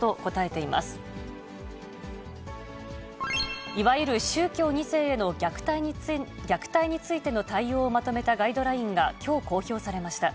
いわゆる宗教２世への虐待についての対応をまとめたガイドラインがきょう公表されました。